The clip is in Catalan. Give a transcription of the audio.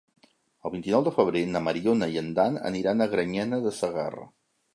El vint-i-nou de febrer na Mariona i en Dan aniran a Granyena de Segarra.